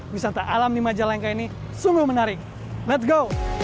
wisata alam di majalengka ini sungguh menarik let's go